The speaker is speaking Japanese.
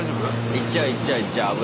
行っちゃう行っちゃう行っちゃう。